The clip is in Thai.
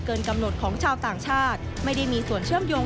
กำหนดของชาวต่างชาติไม่ได้มีส่วนเชื่อมโยง